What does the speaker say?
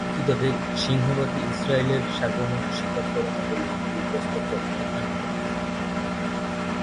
কিন্তু তাদের সিংহভাগই ইসরায়েলের সার্বভৌমত্ব স্বীকার করে না বলে এই প্রস্তাব প্রত্যাখ্যান করে।